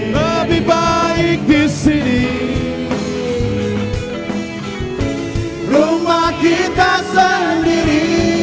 lebih baik disini rumah kita sendiri